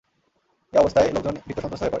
এ অবস্থায় লোকজন ভীত-সন্ত্রস্ত হয়ে পড়ে।